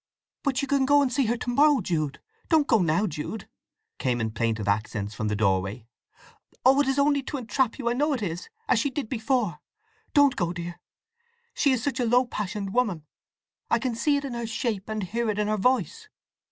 "But you can go and see her to morrow, Jude! Don't go now, Jude!" came in plaintive accents from the doorway. "Oh, it is only to entrap you, I know it is, as she did before! Don't go, dear! She is such a low passioned woman—I can see it in her shape, and hear it in her voice!